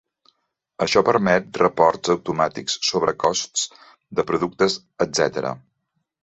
Això permet reports automàtics sobre costs de productes, etc.